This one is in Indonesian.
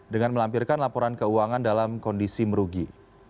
dengan melampirkan laporan keuangan dalam kondisi merugi